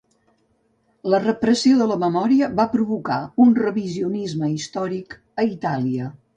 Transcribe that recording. La repressió de la memòria va provocar un revisionisme històric a Itàlia.